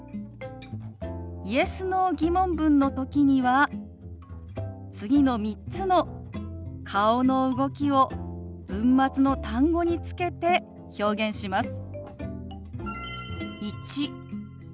Ｙｅｓ／Ｎｏ−疑問文の時には次の３つの顔の動きを文末の単語につけて表現します。